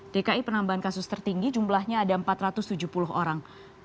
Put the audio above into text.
dki penambahan kasus tertinggi jumlahnya ada empat ratus tujuh puluh orang